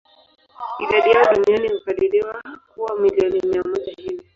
Idadi yao duniani hukadiriwa kuwa milioni mia moja hivi.